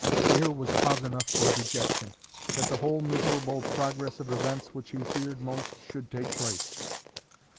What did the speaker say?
Here was cause enough for dejection that the whole miserable progress of events which he feared most should take place.